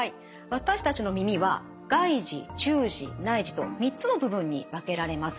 私たちの耳は外耳中耳内耳と３つの部分に分けられます。